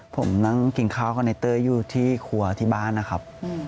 ผมนั่งกินข้าวกับในเตอร์อยู่ที่ครัวที่บ้านนะครับ